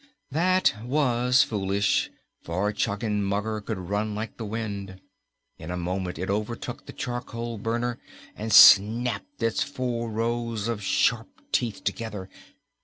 That was foolish, for Choggenmugger could run like the wind. In a moment it overtook the charcoal burner and snapped its four rows of sharp teeth together.